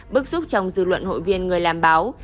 bức xúc trong dư luận hội viên người làm báo